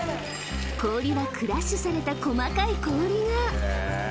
［氷はクラッシュされた細かい氷が］